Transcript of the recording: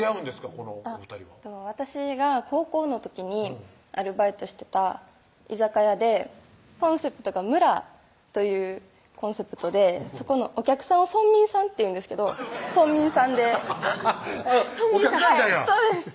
このお２人は私が高校の時にアルバイトしてた居酒屋でコンセプトが村というコンセプトでそこのお客さんを村民さんっていうんですけど村民さんでハハハッお客さんやったんやそうです